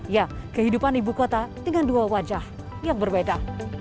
ya kehidupan ibu kota dengan dua wajah yang berbeda